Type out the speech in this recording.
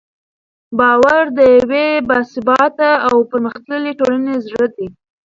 باور د یوې باثباته او پرمختللې ټولنې زړه دی.